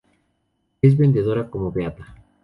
Es venerada como beata.